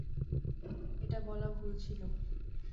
এটা বলা ভুল ছিল।